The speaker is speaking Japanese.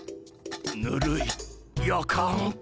ぬるいやかん。